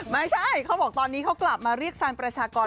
เขาบอกตอนนี้เขากลับมาเรียกซานประชากร